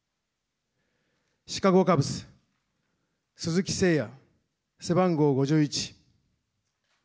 シカゴカブス、鈴木誠也、背番号５１。